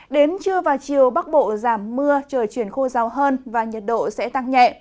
đến trưa và chiều bắc bộ giảm mưa trời chuyển khô rào hơn và nhiệt độ sẽ tăng nhẹ